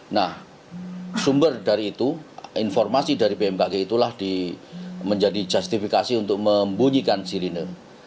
nah sumber dari itu informasi dari bmkg itulah menjadi justifikasi untuk membunyikan siline